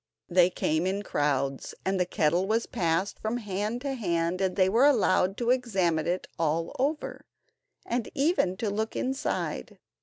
They came in crowds, and the kettle was passed from hand to hand, and they were allowed to examine it all over, and even to look inside.